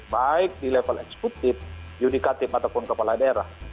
baik di level eksekutif yudikatif ataupun kepala daerah